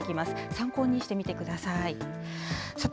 参考にしてみてください。